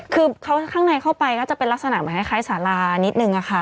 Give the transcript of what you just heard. คือข้างในเข้าไปก็จะเป็นลักษณะเหมือนคล้ายสารานิดนึงค่ะ